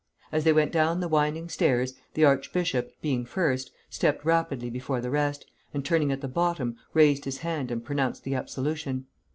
As they went down the winding stairs, the archbishop (being first) stepped rapidly before the rest, and turning at the bottom, raised his hand and pronounced the absolution.